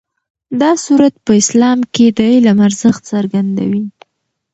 دا سورت په اسلام کې د علم ارزښت څرګندوي.